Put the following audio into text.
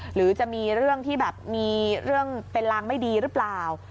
หรือจะมีเรื่องที่แบบมีเรื่องเป็นรางไม่ดีหรือเปล่า